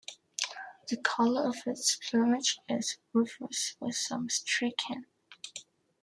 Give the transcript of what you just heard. The colour of its plumage is rufous with some streaking.